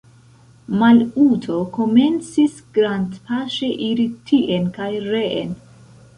Maluto komencis grandpaŝe iri tien kaj reen.